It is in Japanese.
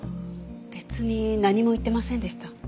別に何も言ってませんでした。